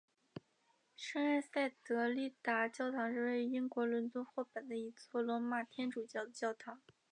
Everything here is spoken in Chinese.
圣埃塞德丽达教堂是位于英国伦敦霍本的一座罗马天主教的教堂。